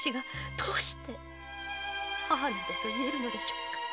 どうして母などと言えるのでしょうか。